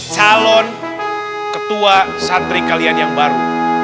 calon ketua santri kalian yang baru